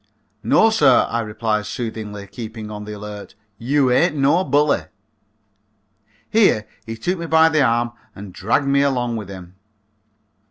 "No, sir," I replied soothingly, keeping on the alert, "you ain't no bully." Here he took me by the arm and dragged me along with him.